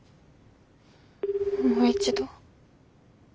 もう一度。